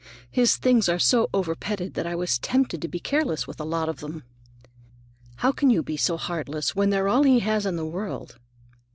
His things are so over petted that I was tempted to be careless with a lot of them." "How can you be so heartless, when they're all he has in the world?"